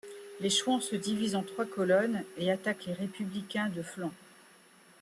Les chouans se divisent en trois colonnes et attaquent les républicains de flanc.